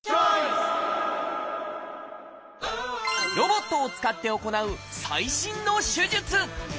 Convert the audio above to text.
ロボットを使って行う最新の手術。